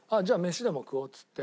「飯でも食おう」っつって。